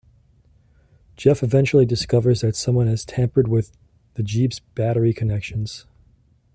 Jeff eventually discovers that someone has tampered with the Jeep's battery connections.